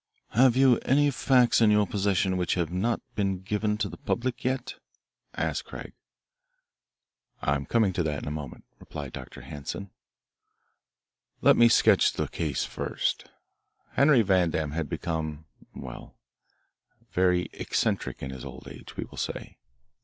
"Have you any facts in your possession which have not been given to the public yet?" asked Craig. "I'm coming to that in a moment," replied Dr. Hanson. "Let me sketch the case first. Henry Vandam had become well, very eccentric in his old age, we will say.